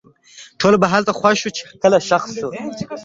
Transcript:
د ټولو به هلته خوښ شو؛ چې کله ښخ سو